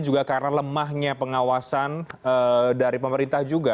juga karena lemahnya pengawasan dari pemerintah juga